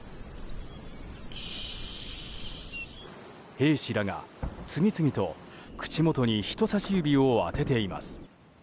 兵士らが次々と口元に人さし指を当てています。